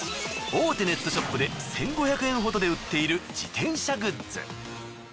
大手ネットショップで１，５００円ほどで売っている自転車グッズ。